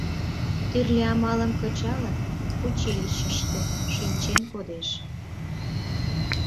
Тӱрлӧ амалым кычалын, училищыште шинчен кодеш.